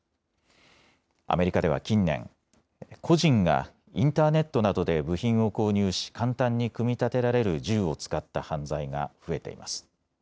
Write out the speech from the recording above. アメリカでは近年、個人がインターネットなどで部品を購入し簡単に組み立てられる銃を使った犯罪が増えています。